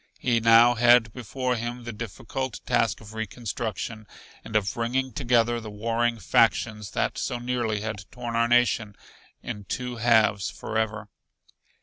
He now had before him the difficult task of reconstruction, and of bringing together the warring factions that so nearly had torn our nation in two halves forever.